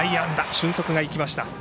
俊足が生きました。